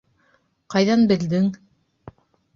— Ҡайҙан белдең?